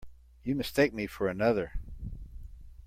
You mistake me for another.